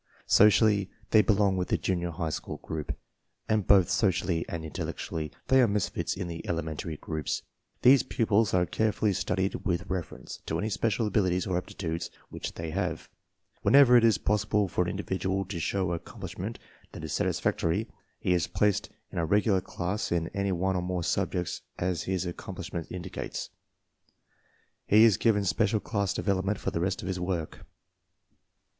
Socially, they belong with the junior high school group, and both socially and intellectually they are misfits in the ele mentary groups. These pupils are carefully studied 46 TESTS AND SCHOOL REORGANIZATION with reference to any special abilities or aptitudes which they have. Whenever it is possible for an individual to show accomplishment that is satisfactory, he is placed in a regular class in any one or more subjects as his accomplishment indicates. He is given special class development for the rest of his work.